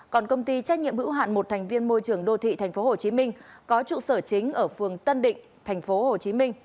còn công ty trách nhiệm hữu hạn một thành viên môi trường đô thị tp hcm có trụ sở chính ở phường tân định tp hcm